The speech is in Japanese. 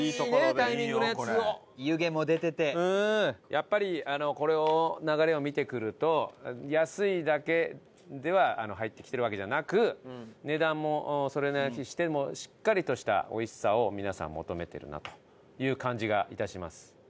やっぱりこの流れを見てくると安いだけでは入ってきてるわけじゃなく値段もそれなりにしてもしっかりとした美味しさを皆さん求めてるなという感じが致します。